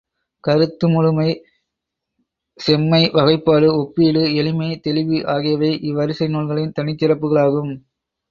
கருத்து முழுமை, செம்மை, வகைப்பாடு, ஒப்பீடு, எளிமை, தெளிவு ஆகியவை இவ்வரிசை நூல்களின் தனிச்சிறப்புகளாகும்.